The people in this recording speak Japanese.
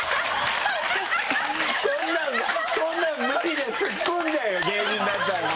そんなのそんなの無理だよツッコんじゃうよ芸人だったら。